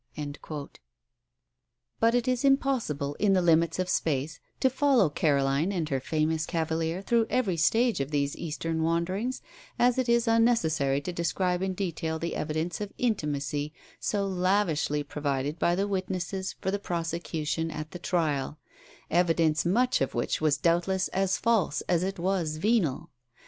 But it is as impossible in the limits of space to follow Caroline and her handsome cavalier through every stage of these Eastern wanderings, as it is unnecessary to describe in detail the evidence of intimacy so lavishly provided by the witnesses for the prosecution at the trial evidence much of which was doubtless as false as it was venal.